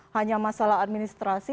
hanya masalah administrasi